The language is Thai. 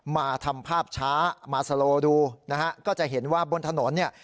มาทำภาพช้ามาสโลดูนะฮะก็จะเห็นว่าบนถนนเนี่ย